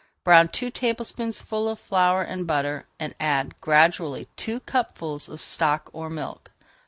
Brown two tablespoonfuls of flour in butter, and add gradually two cupfuls of stock or milk.